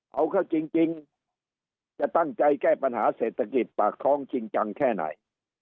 เอาเข้าจริงจะตั้งใจแก้ปัญหาเศรษฐกิจปากท้องจริงจังแค่ไหน